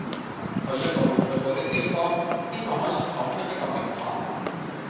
去一個沒去過的地方，希望可以闖出一個名堂